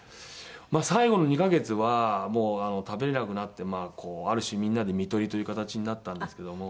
まあ最後の２カ月はもう食べれなくなってある種みんなでみとりという形になったんですけども。